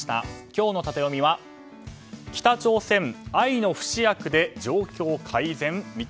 今日のタテヨミは北朝鮮、愛の不死薬で状況改善？